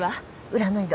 裏の井戸。